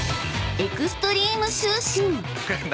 エクストリーム就寝だ！